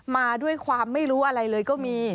มาด้วยความไม่รู้อะไรเลยก็มี